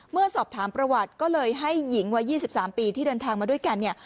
เมื่อสอบถามประวัติก็เลยให้หญิงวัย๒๓ปีที่เดินทางมาด้วยกันเนี่ย